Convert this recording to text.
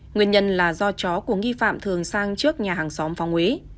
nguyên nhân là do chó của nghi phạm thường sang trước nhà hàng xóm phóng úy